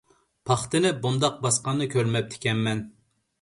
پاختىنى بۇنداق باسقاننى كۆرمەپتىكەنمەن.